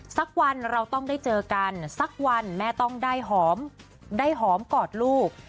สักวันเราต้องได้เจอกันสักวันแม่ต้องได้หอมได้หอมกอดลูก